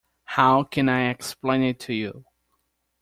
How can I explain it to you?